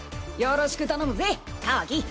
よろしく頼むぜカワキ。